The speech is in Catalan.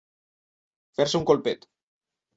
Fer-se un colpet.